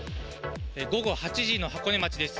午後８時の箱根町です。